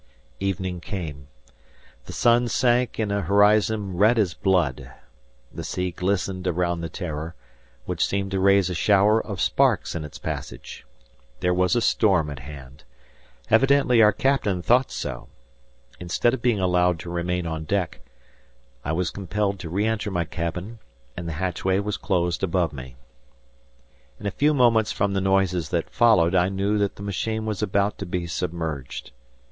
Evening came. The sun sank in a horizon red as blood. The sea glistened around the "Terror," which seemed to raise a shower of sparks in its passage. There was a storm at hand. Evidently our captain thought so. Instead of being allowed to remain on deck, I was compelled to re enter my cabin, and the hatchway was closed above me. In a few moments from the noises that followed, I knew that the machine was about to be submerged.